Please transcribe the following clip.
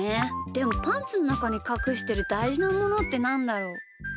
でもパンツのなかにかくしてるだいじなものってなんだろう？